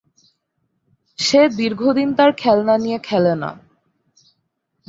সে দীর্ঘদিন তার খেলনা নিয়ে খেলে না।